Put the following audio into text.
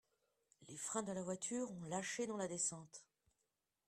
Les freins de la voiture ont lâché dans la descente